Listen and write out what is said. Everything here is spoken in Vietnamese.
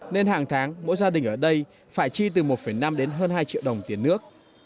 nên hàng tháng mỗi gia đình ở đây phải chi từ một năm đến hơn hai triệu đồng tiền nước